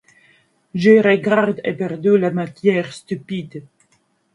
Je regarde, éperdu, la matière stupide.